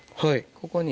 ここに。